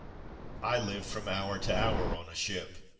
'' I live from hour to hour on a ship.